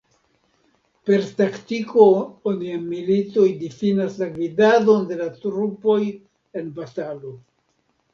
Per taktiko oni en militoj difinas la gvidadon de la trupoj en batalo.